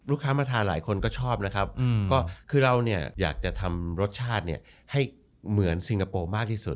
ลูกค้ามาทานหลายคนก็ชอบนะครับก็คือเราเนี่ยอยากจะทำรสชาติให้เหมือนซิงคโปร์มากที่สุด